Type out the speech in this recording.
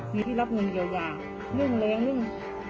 มีที่รับเงินเยอะแยะ